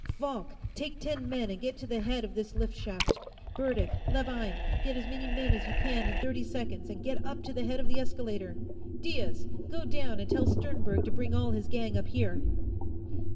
"Falk: take ten men and get to the head of this lift shaft! Burdick, Levine: get as many men as you can in thirty seconds, and get up to the head of the escalator! Diaz: go down and tell Sternberg to bring all his gang up here!"